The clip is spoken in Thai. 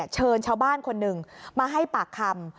เชิญชาวบ้านคนหนึ่งมาให้ปากคำ